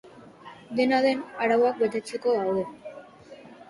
Dena den, arauak betetzeko daude.